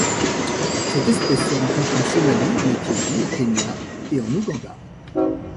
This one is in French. Cette espèce se rencontre en Somalie, en Éthiopie, au Kenya et en Ouganda.